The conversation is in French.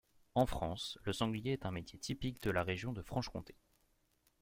En France, le sanglier est un métier typique de la région de Franche-Comté.